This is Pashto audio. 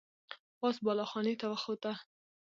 پاس بالا خانې ته وخوته.